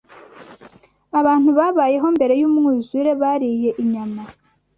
Abantu babayeho mbere y’umwuzure bariye inyama